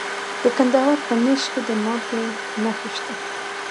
د کندهار په نیش کې د مالګې نښې شته.